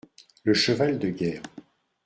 Le cheval de guerre.